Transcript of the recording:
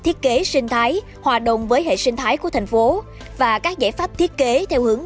thiết kế sinh thái hòa đồng với hệ sinh thái của thành phố và các giải pháp thiết kế theo hướng